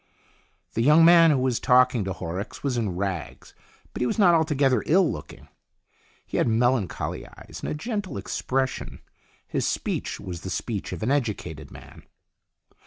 The young man who was talking to Horrocks was in rags, but he was not altogether ill looking. He had melancholy eyes and a gentle expression. His speech was the speech of an educated man.